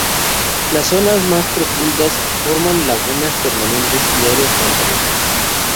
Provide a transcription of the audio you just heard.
Las zonas más profundas forman lagunas permanentes y áreas pantanosas.